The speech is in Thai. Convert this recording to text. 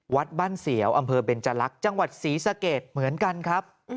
วัดบ้านเสียวอำเภอเบนจรักษ์จังหวัดศรีสะเกดเหมือนกันครับ